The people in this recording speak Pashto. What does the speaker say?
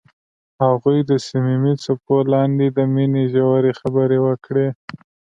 هغوی د صمیمي څپو لاندې د مینې ژورې خبرې وکړې.